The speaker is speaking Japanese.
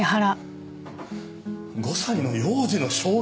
５歳の幼児の証言。